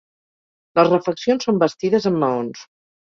Les refeccions són bastides amb maons.